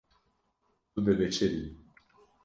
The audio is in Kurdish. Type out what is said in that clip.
Tu dibişirî.